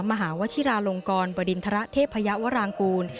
มหาวชิราลงกรบริณฑระเทพยวรางกูล